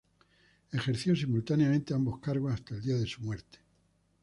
Ejerció simultáneamente ambos cargos, hasta el día de su muerte.